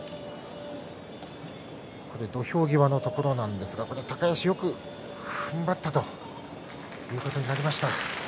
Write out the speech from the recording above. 土俵際のところなんですが高安、よくふんばったということになりました。